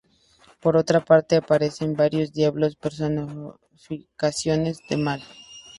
Por otra parte, aparecen varios diablos, personificaciones del mal.